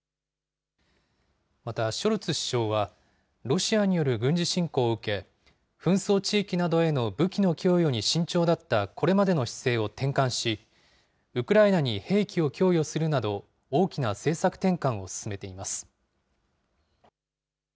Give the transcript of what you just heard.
またショルツ首相は、ロシアによる軍事侵攻を受け、紛争地域などへの武器の供与に慎重だったこれまでの姿勢を転換し、ウクライナに兵器を供与するなど、大きな政策転換を進めています。